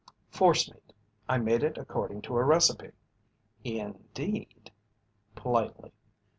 "Forcemeat. I made it according to a recipe." "Indeed?" Politely.